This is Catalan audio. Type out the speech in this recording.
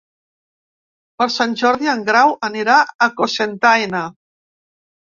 Per Sant Jordi en Grau anirà a Cocentaina.